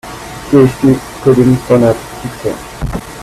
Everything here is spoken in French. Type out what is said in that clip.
PHP Coding Standard Fixer